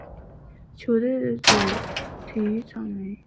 球队的主体育场为。